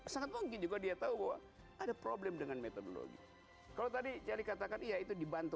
sangat mungkin juga dia tahu bahwa ada problem dengan metodologi kalau tadi jadi katakan ya itu dibantu